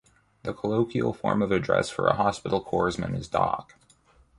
The colloquial form of address for a Hospital Corpsman is Doc.